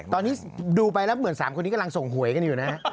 ตอนนี้ดูไปแล้วเหมือน๓คนนี้กำลังส่งหวยกันอยู่นะฮะ